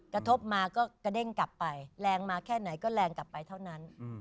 กระทบมาก็กระเด้งกลับไปแรงมาแค่ไหนก็แรงกลับไปเท่านั้น